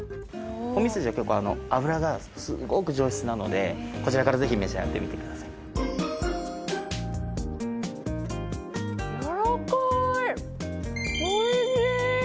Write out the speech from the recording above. ホンミスジは結構脂がすごく上質なのでこちらからぜひ召し上がってみてくださいやわらかいおいしい！